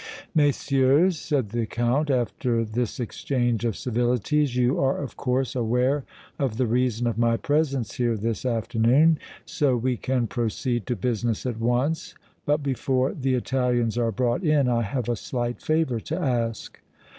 "Messieurs," said the Count, after this exchange of civilities, "you are, of course, aware of the reason of my presence here this afternoon, so we can proceed to business at once, but before the Italians are brought in I have a slight favor to ask."